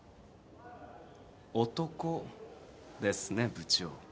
男ですね部長。